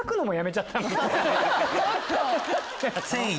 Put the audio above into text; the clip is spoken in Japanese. ちょっと！